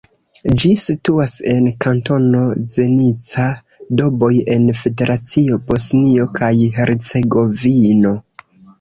Ĝi situas en Kantono Zenica-Doboj en Federacio Bosnio kaj Hercegovino.